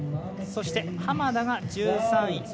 そして、浜田が１３位。